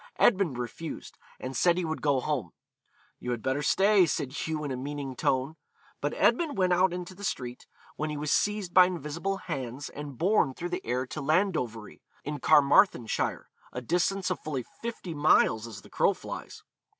Edmund refused, and said he would go home. 'You had better stay,' said Hugh in a meaning tone. But Edmund went out into the street, when he was seized by invisible hands and borne through the air to Landovery, in Carmarthenshire, a distance of fully fifty miles as the crow flies.